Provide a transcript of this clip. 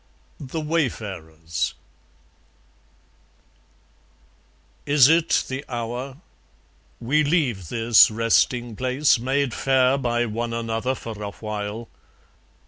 The Wayfarers Is it the hour? We leave this resting place Made fair by one another for a while.